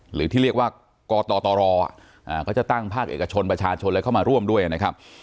หรือที่เรียกว่ากตรเขาจะตั้งภาคเอกชนประชาชนอะไรเข้ามาร่วมด้วยนะครับ